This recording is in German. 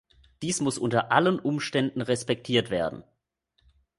Dies muss unter allen Umständen respektiert werden.